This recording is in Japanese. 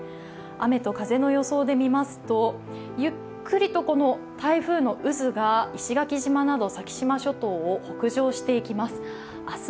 雨と風の予想で見ますと、ゆっくりと台風の渦が石垣島など先島諸島を北上していきます。